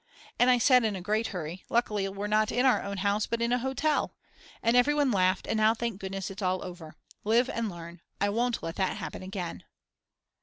And I said in a great hurry: Luckily we're not in our own house but in a hotel, and everyone laughed and now thank goodness it's all over. Live and learn. I won't let that happen again.